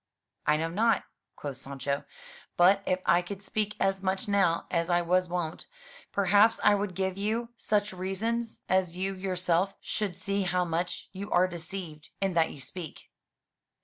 "I know not," quoth Sancho, "but if I could speak as much now as I was wont, perhaps I would give you such reasons as you yourself should see how much you are deceived in that you speak."